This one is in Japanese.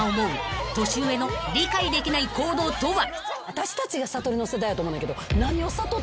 私たちが悟りの世代やと思うねんけど。